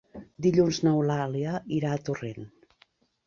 Dilluns n'Eulàlia irà a Torrent.